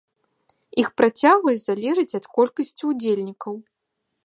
Іх працягласць залежыць ад колькасці удзельнікаў.